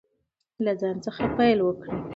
له ځان څخه پیل وکړئ.